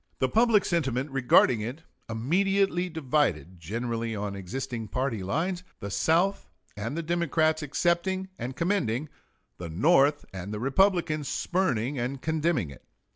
The public sentiment regarding it immediately divided, generally on existing party lines the South and the Democrats accepting and commending, the North and the Republicans spurning and condemning it.